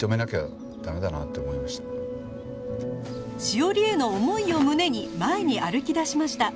史織への思いを胸に前に歩き出しました